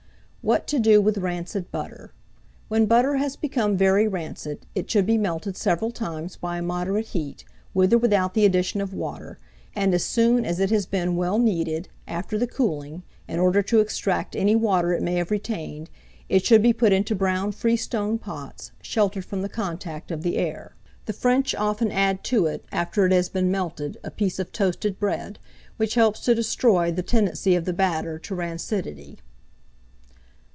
WHAT TO DO WITH RANCID BUTTER. When butter has become very rancid, it should be melted several times by a moderate heat, with or without the addition of water, and as soon as it has been well kneaded, after the cooling, in order to extract any water it may have retained, it should be put into brown freestone pots, sheltered from the contact of the air. The French often add to it, after it has been melted, a piece of toasted bread, which helps to destroy the tendency of the batter to rancidity.